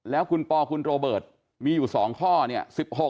แล้วคุณปอคุณโรเบิร์ตมีอยู่๒ข้อเนี่ย๑๖